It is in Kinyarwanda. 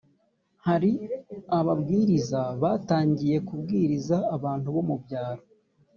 hari ababwiriza batangiye kubwiriza abantu bo mu byaro